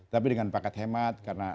tapi dengan pakat hemat karena